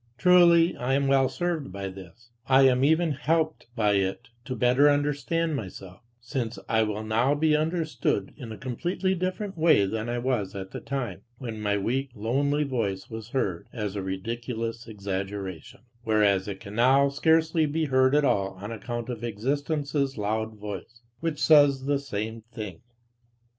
Truly, I am well served by this; I am even helped by it to better understand myself, since I will now be understood in a completely different way than I was at the time, when my weak, lonely voice was heard as a ridiculous exaggeration, whereas it can now scarcely be heard at all on account of existence's loud voice, which says the same thing.